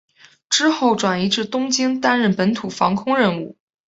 之后转移至东京担任本土防空任务。